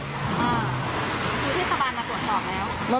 อ่าคือที่สะบานมาตรวจสอบแล้ว